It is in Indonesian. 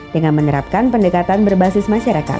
dengan menerapkan pendekatan berbasis masyarakat